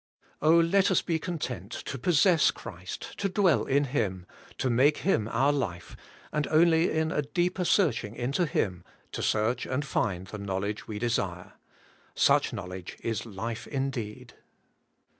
let us be content to possess Christ, to dwell in Him, to make Him our life, and only in a deeper searching into Him, to search and find the knowledge we desire. Such knowledge is life indeed..